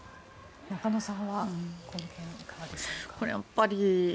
中野さんはいかがでしょうか。